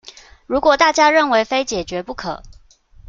如果大家認為非解決不可